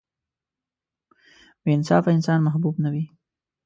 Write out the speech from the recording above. • بې انصافه انسان محبوب نه وي.